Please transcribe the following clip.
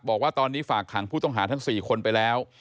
บอกว่าตอนนี้ฝากขังผู้ต้องหาทั้ง๔คนไปแล้ว